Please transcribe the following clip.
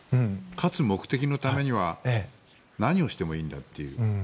勝つ目的のためには何をしてもいいんだという。